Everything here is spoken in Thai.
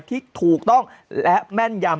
ที่ถูกต้องและแม่นยำ